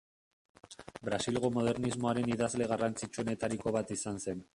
Brasilgo modernismoaren idazle garrantzitsuenetariko bat izan zen.